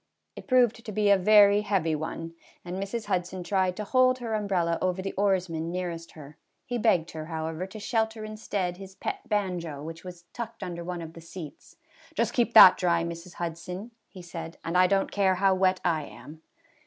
It proved to be a very heavy one, and Mrs. Hud son tried to hold her umbrella over the oarsman nearest her ; he begged her, however, to shelter in stead his pet banjo, which was tucked under one of the seats. " Just keep that dry, Mrs. Hudson," he said, "and I don't care how wet I am."